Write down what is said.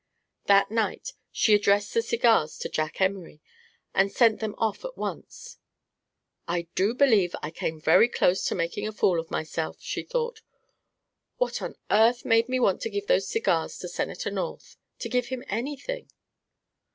That night she addressed the cigars to Jack Emory and sent them off at once. "I do believe I came very close to making a fool of myself," she thought. "What on earth made me want to give those cigars to Senator North? to give him anything?